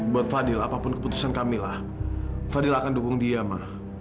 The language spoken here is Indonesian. buat fadil apapun keputusan kamilah fadil akan dukung dia mah